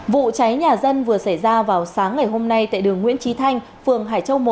vụ cháy nhà dân vừa xảy ra vào sáng ngày hôm nay tại đường nguyễn trí thanh phường hải châu một